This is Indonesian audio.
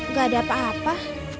gak ada apa apa